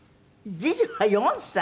次女は４歳？